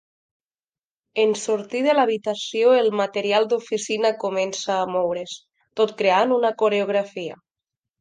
En sortir de l’habitació el material d’oficina comença a moure’s, tot creant una coreografia.